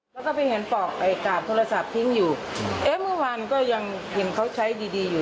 แล้วก็ไปเห็นปอกไอ้กาบโทรศัพท์ทิ้งอยู่เอ๊ะเมื่อวานก็ยังเห็นเขาใช้ดีดีอยู่